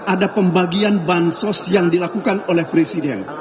ada pembagian bansos yang dilakukan oleh presiden